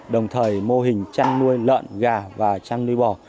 đồng thời mô hình chăn nuôi lợn gà và chăn nuôi bò